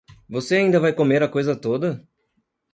Você ainda vai comer a coisa toda?